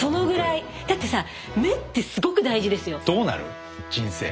だってさ目ってすごく大事ですよ。